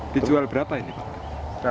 dijual berapa ini pak